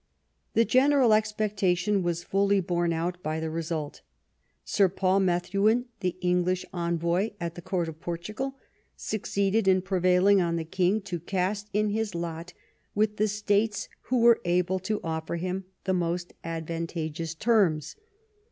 The general expectation was fully borne out by the result Sir Paul Methuen, the English envoy at the court of Portugal, succeeded in prevailing on the King to cast in his lot with the states who were able to offer to him the most advantageous terms.